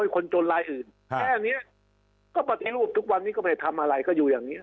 แค่นี้ก็ปฏิรูปทุกวันนี้ก็ไปทำอะไรก็อยู่อย่างนี้